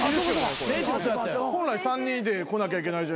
本来３人で来なきゃいけないじゃないですか。